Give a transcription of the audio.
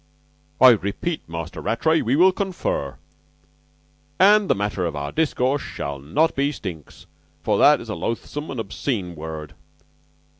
"I repeat, Master Rattray, we will confer, and the matter of our discourse shall not be stinks, for that is a loathsome and obscene word.